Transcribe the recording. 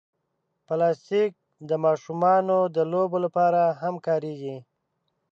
پلاستيک د ماشومانو د لوبو لپاره هم کارېږي.